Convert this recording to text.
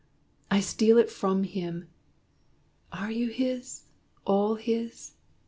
I steal it from him. Are you his all his?